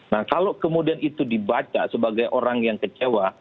nah kalau kemudian itu dibaca sebagai orang yang kecewa